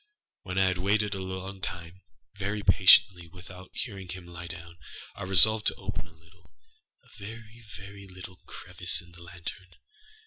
When I had waited a long time, very patiently, without hearing him lie down, I resolved to open a littleâa very, very little crevice in the lantern.